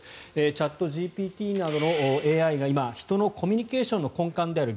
チャットＧＰＴなどのＡＩが今、人のコミュニケーションの根幹である